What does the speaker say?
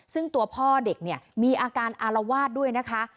ซึ่งตัวพ่อเด็กเนี่ยมีอาการอารวาสด้วยนะคะ